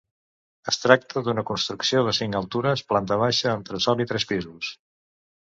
Es tracta d'una construcció de cinc altures, planta baixa, entresòl i tres pisos.